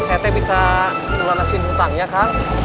cet bisa melalui hutangnya kang